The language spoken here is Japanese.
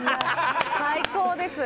最高です。